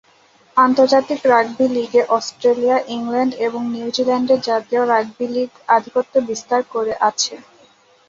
আন্তর্জাতিক রাগবি লীগে Australia, England এবং নিউজিল্যান্ডের জাতীয় রাগবি লীগ দল আধিপত্য বিস্তার করে আছে।